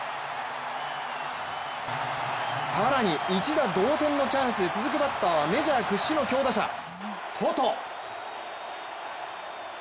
更に一打同点のチャンスで続くバッターはメジャー屈指の強打者・ソト。